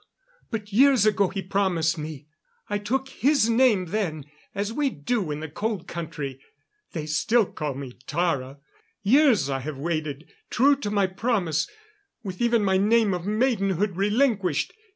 But years ago he promised me. I took his name then, as we do in the Cold Country. They still call me Tara! Years I have waited, true to my promise with even my name of maidenhood relinquished.